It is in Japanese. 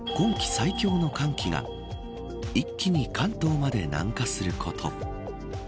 最強の寒気が一気に関東まで南下すること。